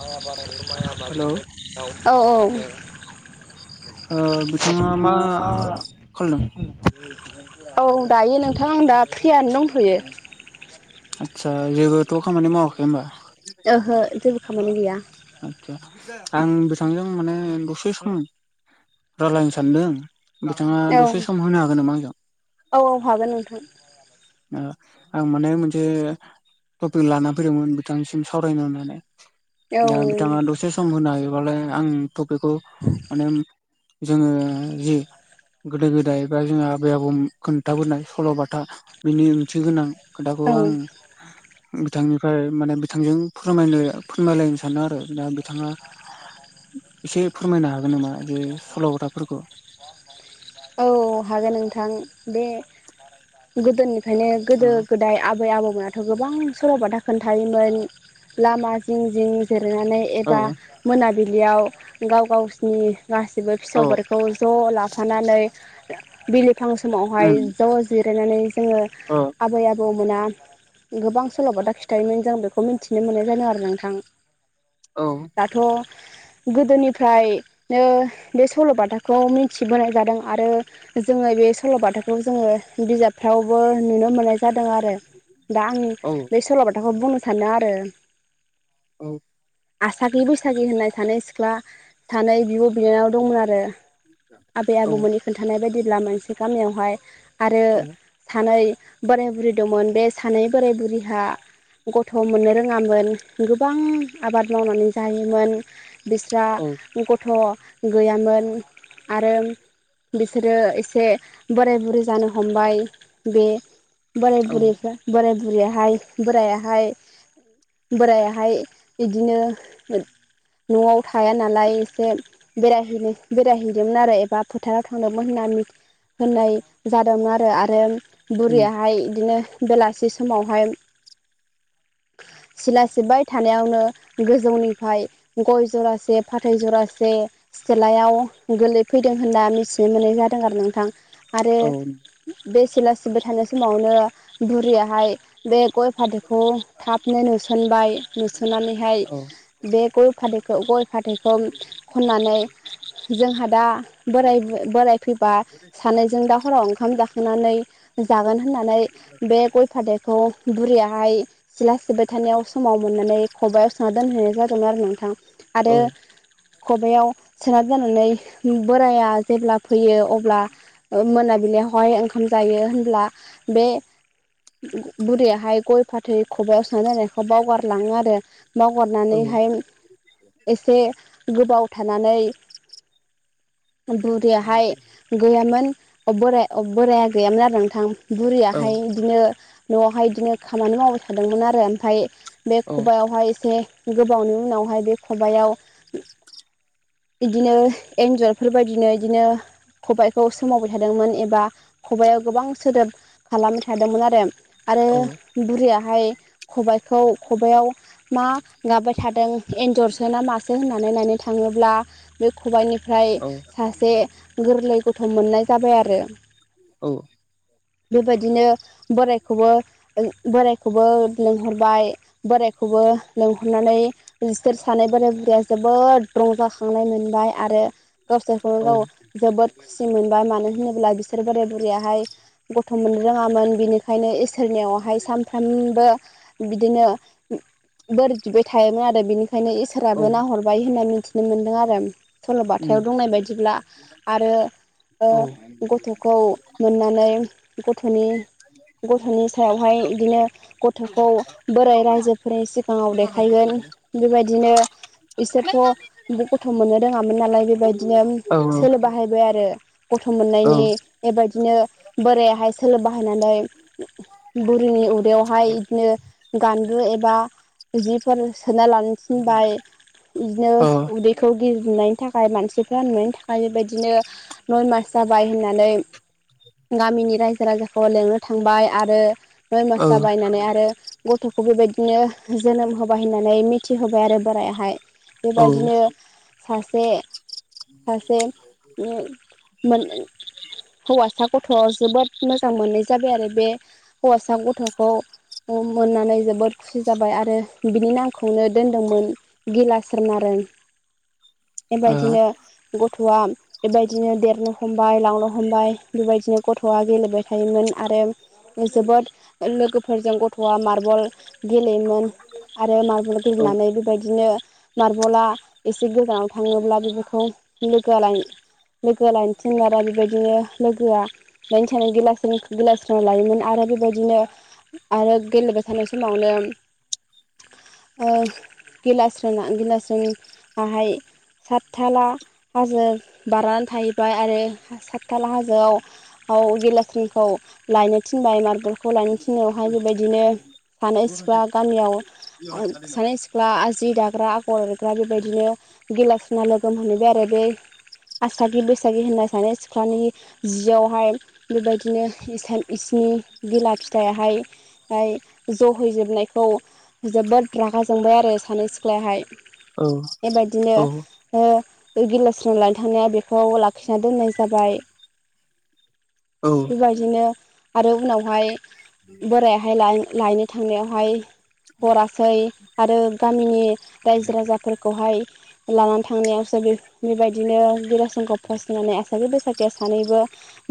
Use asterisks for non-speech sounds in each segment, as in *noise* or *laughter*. माइ आबाद *unintelligible* माइ आबाद हेलौ मोनो औऔ ओ बिथाङा मा खालामदों औ दायो नोंथां आं दा फ्रियानो दंथ'यो आदसा जेबोथ' खामानि मावाखै होनोमबा ओहो जेबो खामानि गैया आदसा आं बिथांजों माने दसे सम रायजल्लायनो सानदों बिथाङा औ दसे सम होनो हागोन नामा आंजों औ औ हागोन नोंथां ओं आं माने मोनसे टपिक लाना फैदोंमोन बिथांनिसिम सावरायनो होननानै औ दा बिथाङा दसे सम होनो हायोबालाय आं टपिकखौ माने जोङो जि गोदो गोदाय बा जोंहा आबै आबौ खोनथाबोनाय सल'बाथा बेनि ओंथि गोनां खोथाखौ औ आं बिथांनिफ्राय माने बिथांजों फोरमाय फोरमायलायनो सानो आरो दा बिथाङा एसे फोरमायनो हागोन नामा जे सल'थाफोरखौ ब म *unintelligible* औ औ हागोन नोंथां बे गोदोनिफ्रायनो गोदो गो दाय आबै आबौमोनाथ' गोबां सल'बाथा खोनथायोमोन लामा जिं जिं जिरायनानै एबा औ मोनाबिलियाव गाव गावसिनि गासिबो औ फिसौफोरखौ ज' लाफानानै बिलिफां समावहाय उम ज' जिरायनानै जोङो अ आबै आबौ बौ मोना गोबां सल'बाथा खिथायोमोन जों बेखौ मिनथिनो मोननाय जादों आरो नोंथां। औ दाथ' गोदोनिफ्रायनो बे सल'बाथाखौ मिथिबोनाय जादों। आरो जोङो बे सल'बाथाखौ जोङो बिजाब फ्रावबो नुनो मोननाय जादों आरो दा आं औ बे सल'बाथाखौ बुंनो सानो आरो। औ आसागि बैसागि होननाय सानै सिख्ला सानै बिब' बिनानाव दंमोन आरो। आबै औ आबौमोननि खोनथानाय बायदिब्ला मोनसे गामियावहाय आरो औ सानै बोराय बुरै दंमोन बे सानै बोराय बुरैहा गथ' मोननो रोङामोन गोबां आबाद मावनानै जायोमोन। बिस्रा औ गथ' गैयामोन आरो बिसोरो एसे बोराय बुरै जानो हमबाय बे बोराय औ बुरैफ्रा बोराय बुरियाहाय बोरायाहाय बोरायाहाय इदिनो न'आव थाया नालाय एसे बेरायहैनो बेरायहैदोंमोन आरो एबा फोथार थांदोंमोन होनना होननाय जादोंमोन आरो आरो उम बुरियाहाय बिदिनो बेलासि समावहाय *inaudible* सिला सिब्बाय थानायावनो गोजौनिफ्राय गय जरासे फाथै जरासे सिथलायाव गोलै फैदों होनना मिथि नो मोननाय जादों आरो नोंथां आरो औ बे सिला सिबबाय थानाय समावनो बुरियाहाय बे गय फाथैखौ थाबनो नुसनबाय नुसनानैहाय औ बे गय फाथैखौ गय फाथैखौ खननानै जोंहा दा बोराय बोराय फैबा सानैजों दाहराव ओंखाम जाखोनानै जागोन होननानै बे गय फाथैखौ बुरियाहाय सिला सिबबाय थानायाव समाव मोननानै खब सोनना दोनहैनाय जादोंमोन आरो नोंथां। औ आरो खबयाव सोना दोननानै बोराया जेब्ला फैयो अब्ला मोनाबिलियावहाय ओंखाम जायो होनब्ला बे बुरैयाहाय गय फाथै खबायाव सोना दोननायखो बावगारलाङो आरो। औ मावगारनानैहाय एसे गोबाव थानानै बुरियाहाय गैयामोन बोर बोराया गैयामोन आरो नोंथां। बुरियाहाय इदिनो न'आवहाय इदिनो खामानि मावबाय थादोंमोन आरो ओमफ्राय बे औ खबायावहाय एसे गोबावनि उनावहाय बे खबयाव इदिनो एन्जर बेफोरबायदिनो इदिनो खबाइखौ सोमावबाय थादोंमोन एबा खबायाव गोबां सोदोब खालामबाय थादोंमोन आरो। आरो बुरैयाहाय खबाइखौ खबाइआव मा गाबबाय थादों एन्जरसो ना मासो होननानै नायनो थाङोब्ला बे खबाइनिफ्राय सासे गोरलै गथ' मोननाय जाबाय आरो। औ बेबायदिनो बोरायखौबो बोरायखौबो लिंहरबाय बोरायखौबो लिंहरनानै बिसोर सानै बोराइ बुरैया जोबोद रंजाखांनाय मोनबाय आरो गावसोरखौनो औ गाव जोबोद खुसि मोनबाय मानो होनोब्ला बिसोर बोराय बुरैयाहाय गथ' मोननो रोङामोन बिनिखायनो इसोरनियावहाय सानफ्रोमबो बिदिनो बोर बिबाय थायोमोन आरो बिनिखायनो इसोराबो नाहर बाय होननानै मोनथिनो मोनदों आरो उम सल'बाथायाव दंनाय बादिब्ला आरो औ ओ गथ'खौ मोननानै गथ'नि गथ'नि सायावहाय इदिनो गथ'खौ बोरै रायजोफोरनि सिगाङाव देखायगोन बेबायदिनो इसोरथ' गथ' मोननो रोङामोन नालाय बेबायदिनो सोलो बाहायबाय आरो गथ' औ अ औ मोननायनि बेबायदिनो बोरायाहाय सोलो बाहायनानै बुरिनि उदैयाव आहाय बिदिनो गान्दु एबा जिफोर सोना लानो थिनबाय इदिनो उदैखौ गिदिर नुनायनि थाखाय मान सिफ्रा नुनायनि थाखाय बेबायदिनो नय मास जाबाय होननानै गामिनि रायजो राजाखौ लिंनो थांबाय आरो नय मास जाबाय होननानै आरो गथ'खौ बेबायदिनो जोनोम होबाय होननानै मिथिहोबाय आरो बोरायाहाय औ बेबायदिनो सासे सासे मोन हौवा सा गथ' जोबोद मोजां मोननाय जाबाय आरो बे हौवासा गथ'खौ मोननानै जोबोद खुसि जाबाय आरो बिनि नामखौनो दोनदोंमोन गिलास्रोन आरो *inaudible* बेबायदिनो गथ'आ बेबायदिनो देरनो हमबाय लांनो हमबाय बेबायदिनो गथ'आ गेलेबाय थायोमोन आरो जोबोद लोगोफोरजों गथ'आ मार्बल गेलेयोमोन आरो मार औ बिरनानै बेबायदिनो मार्बला एसे गोजानाव थाङोब्ला बेफोरखौ थ' लोगो लाय लोगो लायनो थिनो आरो बेबायदिनो लोगोआ लायनो थाङो गिलास्रोन गिलास्रोनि लायोमोन आरो बेबायदिनो आरो गेलेबाय थानाय समावनो ओ गिलास्रोना गिलास्रोनाहाय सातथाला हाजो बारनानै थाहैबाय आरो सातथाला हाजोआव आव गिलास्रोनखौ लायनो थिनबाय मारबलखौ लायनो थिननायावहाय बेबायदिनो सानै सिख्ला गामियाव सानै सिख्ला आ जि‌ दाग्रा *unintelligible* बेबायदिनो गिलास्रिना लागै मोहैबाय आरो बे आसागि बैसागि होननाय सानो सिख्लानि जियावहाय बेबायदिनो इसोरनि गिला फिथाइयाहाय ओमफ्राय जहैजोबनायखौ जोबोद रागा जोंबाय आरो सानै सिख्लायाहाय औ बेबायदिनो औ ओ बै गिलास्रां लानो थांनाया बेखौ लाखिना दोननाय जाबाय औ बेबायदिनो आरो उनावहाय बोरायाहाय लायनो थांनायावहाय हरासै आरो गामिनि रायजो राजाफोरखौहाय लानानै थांनायावसो बे बेबायदिनो गिलास्रोनखौ फसायनानै आसि बैसागिआ सानैबो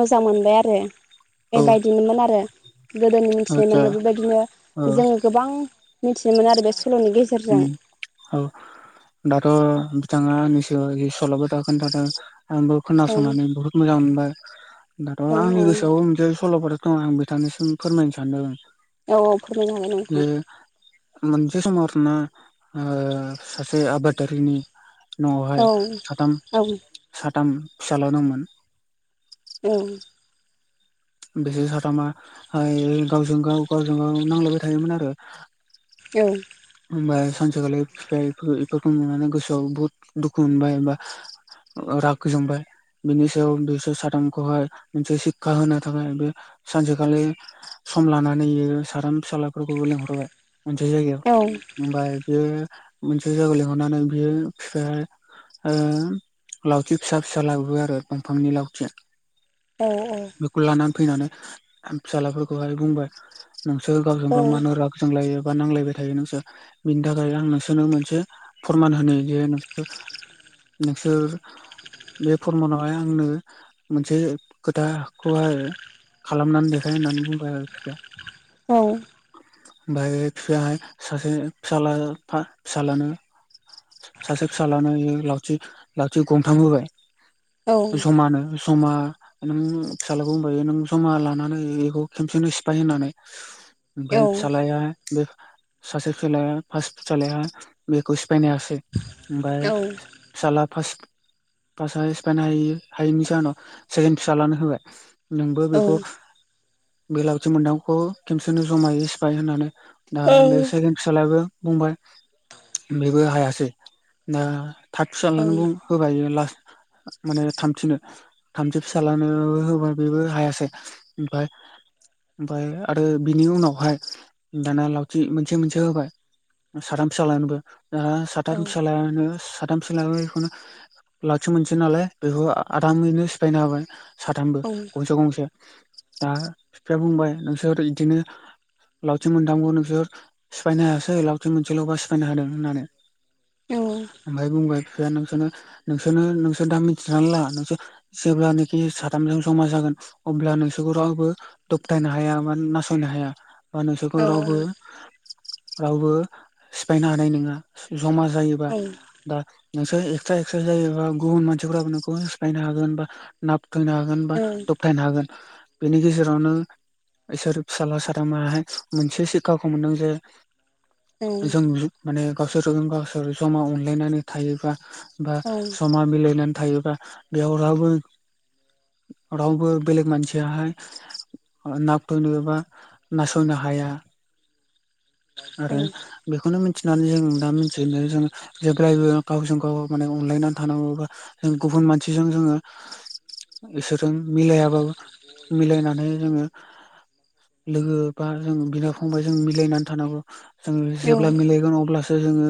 मोजां मोनबाय आरो औ बेबायदिनोमोन आरो गोदोनि मिथिनो आतसा मोनो बेबायदिनो औ जोङो गोबां मिथिनो मोनो आरो बे सल'नि गेजेरजों उम औ दाथ' बिथाङा सिगाङाव जि सल' बाथा खोनथादों आंबो औ खोनासंनानै बुहुत मोजां मोनबाय दाथ' औ औ आंनि गोसोआवबो मोनसे सल' बाथा दं आं बिथांनिसिम फोरमायनो सानदों औ फोरमायनो हागोन जे नोंथां मोनसे समावथ'नो ओ सासे आबादारिनि न'वावहाय औ साथाम औ साथाम फिसाल' दंमोन उम बिसोर साथामा ओइ गावजों गाव गावजों गाव नांलायबाय थायोमोन आरो औ ओमफाय सानसेखालि बिफाया इफोरखौ नुनानै गोसोआव बुहुत दुखु मोनबाय होमबा राग जोंबाय बिनि सायाव बिसोर साथामखौहाय मोनसे सिक्खा होनो थाखाय बे सानसेखालि सम लानानै इयो साथाम फिसालाफोरखौबो लिंहरबाय मोनसे जायगायाव औ ओमफ्राय बेयो मोनसे जायगायाव लिंहरनानै बेयो फिफाया ओ लावथि फिसा फिसा लाबोयो आरो दंफांनि लावथिया औ औ बेखौ लानानै फैनानै आ फिसालाफोरखौहाय बुंबाय नोंसोर औ गावजों गाव मानो राग जोंलायो बा नांलायबाय थायो नोंसोर बिनि थाखाय आं नोंसोरनो मोनसे फोरमान होनो जे नोंसोर नोंसोर बे फोरमनावहाय आंनो मोनसे खोथा खौहाय खालामनानै देखायो होननानै बुंबाय आरो बिसोरो। औ ओमफफ्राय बिफायाहाय सासे फिसा फिसलानो सासे फिस्लानो लावथि लावथि गंथां होबाय जमानो जमा नों फिसालाखौ बुंब नों जमा लानानै बेखौ खमसेनो सिफाय होनानै ओमफ्राय फिसालाया बे सासे खेलाया फार्स्ट फिसालाया बेखौ सिफायनो हायासै ओमफ्राय फिसालाफ्रा बांसावनाय सिफायनो हायि हायिनि जाहोनाव सेकेणड फिसा लानो होबाय नोंबो बेखौ बे लावथि मोन्दांखौ खबसेनो जमायोै सिफाय होननानै दा बे जों फिसाज्लायाबो बुंबाय बेबो हायासै दा थामथि जांग होबायो लास्ट माने थामथिनो थामज फिसालानो होबा बेबो हायासै ओमफाय ओमफाय आरो बिनि उनावहाय दाना लावथि मोन से मोनसे होबाय साथाम फिसालानोबो दा साथाम फिसालायानो सा *inaudible* बेखौनो लाखि मोनस नालाय बेखौ आरमैनो सिफायनो हाबाय साथामबो औ गंसे गंसे दा बिफाया बुंबाय नोंसोर बिदिनो लावथि मोनथामखौ नोंसोर सिफायनो हायासै लावथिं मोनसेल'बा सिफायनो हादों होननानै औ ओमफ्राय बुंबाय फिसाया नोंसोर नोंसोरनो नोंसोर दा मिथिनानै ला नोंसोर जेब्लानोाखि साथामजों जमा जागोन अब्ला नोंसोरखौ रावबो दबथायनो हाया बा नासयनो हाया बा नोंसोरखौ औ रावबो रावबो सिफायनो हानाय नङा जमा जायोबा दा नोंसोर एक्सट्रा एक्सद्रा जायोबा गुबुन मानसिफोराबो नोंखौ सिफायनो हागोन बा नाबथायनो हागोन बा दबथायनो हागोन बेनि गेजेरावनो इसोर फिसाला सादामाहाय मोनसे सिक्षाखौ मोनदों जे जों माने गावसोरोम गावसोर जमा अनलायनानै थायोबा बा समा मिलायनानै थायोबा बेयाव राबबो रावबो बेलेग मानसियाहा नाबथायनोबा नासयनो हाया। आरो बेखौनो मिथिनानै जों दा मिथिो जों जेब्लायबो गावजों गाव माने अनलायनानै थानांगौ एबा जों गुबुन मानसिजों जोङो इसोरजों मिलायाबाबो मिलायनानै जोङो लोगो बा जों बिदा फंबाय जों मिलायनानै थानांगौ जों जेब्ला मिलायगोन अब्लासो जोङो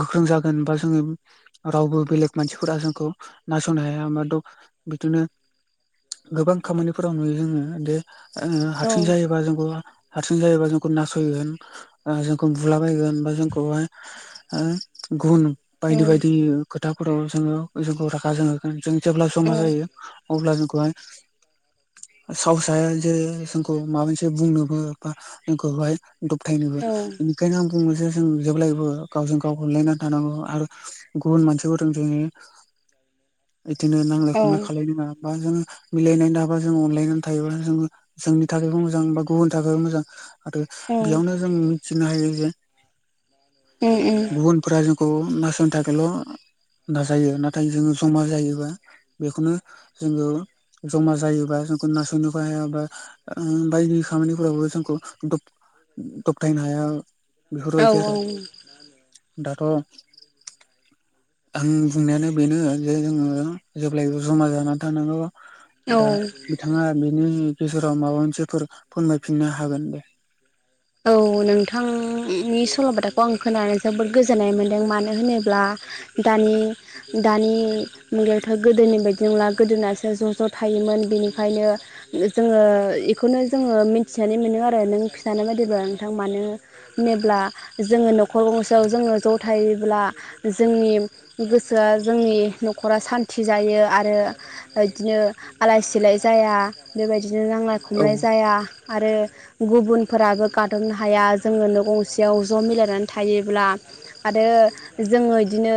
गोख्रों जागोन बा जोङो रावबो बेलेग मानसिफोरा जोंखौ नासयनो हाया बा द बिदिनो गोबां खामानिफोराव नुयो जोङो दे ओ हारसिं जायोबा जोंखौ हारसिं जायोबा जोंखौ नासयगोन। जोंखौ बुलाबायायगोन बा जोंखौहाय गुन बायदि बायदि खोथाफोराव जोङो जोंखौ रागा जोंङोगोन जों जेब्ला जमा जायो अब्ला जोंखौहाय साहावसाया जे जोंखौ माबामोनसे बुंनोबो बा जोंखौहाय थायनोबो बेनिखायनो आं बुङो जे जों जेब्लायबो गावजों गाव गोलायनानै थानांगौ आरो गुबुन मानसिफोर जोंयो इदिनो नांलाय खमलाय खालायनाङा बा जों मिलायनानै थाबा जों अनलायनानै थायोबा जोङो जोंनि थाखायबो मोजां बा गुबुननि थाखायबो मोजां आरो बेयावनो जों मिथिनो हायो जे ओ ओ गुबुनफोरा जोंखौ नासयनो थाखायल' नाजायो नाथाय जोङो जमा जायोबा बेखौनो जोंङो जमा जायोबा जोंखौ नासयनोबो हायाबा उम बायदि खामानिफोरावबो जोंखौ दब दबथायनो हाया बेफोरबायदि आरो दाथ' *inaudible* आं बुंनायानो बेनो जे जोंङो जेब्लायबो जमा जानानै थानांगौ दा बिथांङा बेनि गेजेराव माबा मोनसेफोर फोरमायफिननो हागोन दे औ नोंथांनि सल'बाथाखौ आं खोनानो जोबोद गोजोननाय मोन्दों मानो होनोब्ला दानि दानि मुगायाथ' गोदोनि बायदि नंला गोदोनासो ज' ज' थायोमोन बेनिखायनो जोंङो इखौनो जोंङो मिथिनानै मोनो आरो नों फिथानाय बायदिब्ला नोंथां मानो जेब्ला जोङो न'खर गंसेयाव जोङो ज' थायोब्ला जोंनि गोसोआ जोंनि न'खरा सान्थि जायो आरो इदिनो आलाय सिलाय जाया बेबायदिनो नांलाय औ खमलाय जाया आरो गुबुनफोराबो गादबनो हाया जोङो ननो गंसेयाव ज' मिलायनानै थायोब्ला आरो जोङो इदिनो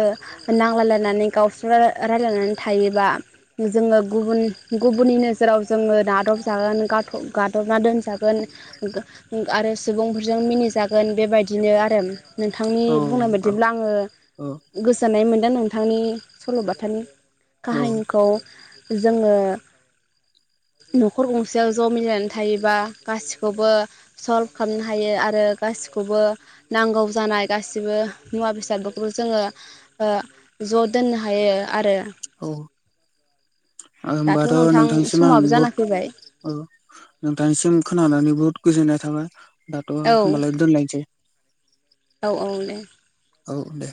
नांलायलायनानै गावस्रा रायलायनानै थायोबा जोंङो गुबुन गुबुननि नोजोराव जोंङो नादबजागोन गादबना दोनजागोन आरो सुबुंफोरजों मिनिजागोन बेबायदिनो आरो नोंथांनि औ बुंनाय बायदिब्ला आंङो औ गोजोननाय मोनदों नोंथांनि सल'बाथानि औ काहानिखौ जोंङो न'खर गंसेयाव ज' मिलायनानै थायोबा गासिखौबो सल्भ खालामनो हायो आरो गासिखौबो नांगौ जानाय गासिबो मुवा बेसादफोरखौ जोंङो ज' दोननो हायो आरो औ दाथ' होनबाथ' नोंथां नोंथांनिसिम आं समाबो जाना फैबाय औ नोंथांनिसिम खोनानानै बुहुत गोजोननाय थाबाय दाथ' औ होमबालाय दोनलायनोसै औ औ दे औ दे